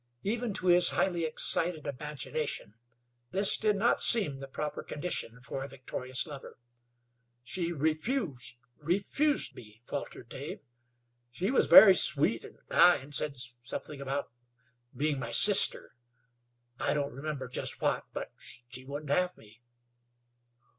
Even to his highly excited imagination this did not seem the proper condition for a victorious lover. "She refused refused me," faltered Dave. "She was very sweet and kind; said something about being my sister I don't remember just what but she wouldn't have me."